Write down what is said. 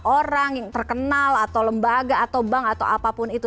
orang yang terkenal atau lembaga atau bank atau apapun itu